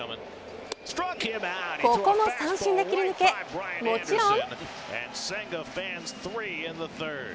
ここも三振で切り抜けもちろん。